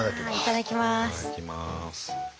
いただきます。